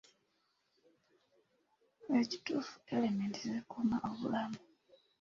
Ekituufu, erementi zikuuma obulamu.